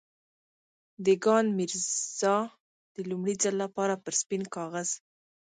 دېګان ميرزا د لومړي ځل لپاره پر سپين کاغذ.